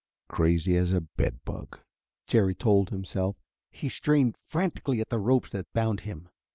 "Crazy as a bed bug," Jerry told himself. He strained frantically at the ropes that bound him.